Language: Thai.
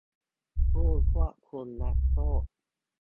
ผู้ควบคุมนักโทษ